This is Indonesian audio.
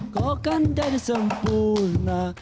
kau kan jadi sempurna